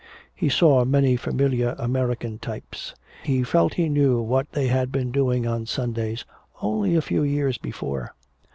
He saw many familiar American types. He felt he knew what they had been doing on Sundays only a few years before.